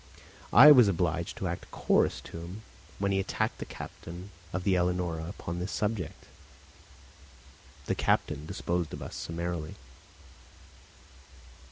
I was obliged to act chorus to him when he attacked the captain of the Ellenora upon this subject. The captain disposed of us summarily.